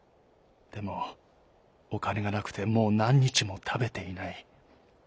でもおかねがなくてもうなんにちもたべていない。